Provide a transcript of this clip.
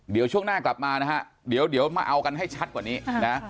เดี๋ยวช่วงหน้ากลับมานะฮะเดี๋ยวมาเอากันให้ชัดกว่านี้นะ